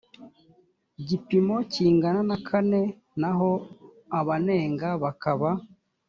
gipimo kingana na kane naho abanenga bakaba